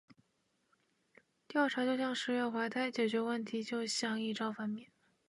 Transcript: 调查就像“十月怀胎”，解决问题就像“一朝分娩”。